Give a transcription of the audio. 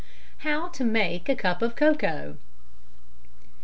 _How to Make a Cup of Cocoa.